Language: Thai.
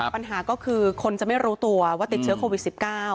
ปัญหาก็คือคนจะไม่รู้ตัวว่าติดเชื้อโควิด๑๙